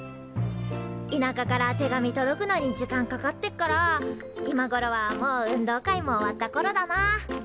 いなかから手紙届くのに時間かかってっから今ごろはもう運動会も終わったころだな。